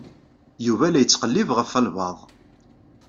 Yuba la yettqellib ɣef walbaɛḍ.